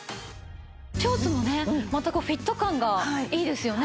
ショーツもねまたこうフィット感がいいですよね。